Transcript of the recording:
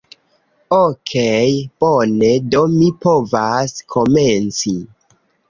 Okej' bone, do mi povas komenci